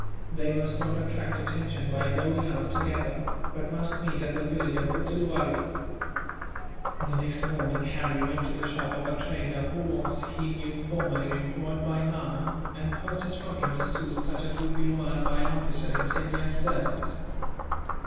They must not attract attention by going out together, but must meet at the village of Wittulwarree." The next morning, Harry went to the shop of a trader who was, he knew, formerly employed by Nana, and purchased from him a suit such as would be worn by an officer in Scindia's service.